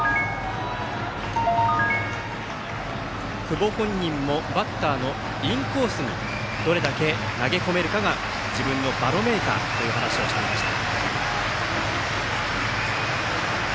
久保本人もバッターのインコースにどれだけ投げ込めるかが自分のバロメーターという話をしていました。